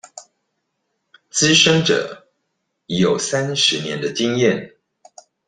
資深者已有三十年的經驗